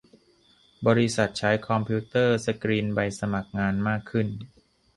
บริษัทใช้คอมพิวเตอร์สกรีนใบสมัครงานมากขึ้น